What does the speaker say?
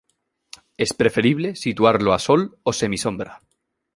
Es preferible situarlo a sol o semisombra.